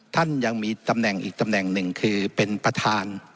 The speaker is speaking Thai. ท่านยังมีตำแหน่งอีกตำแหน่งหนึ่งคือเป็นประธาน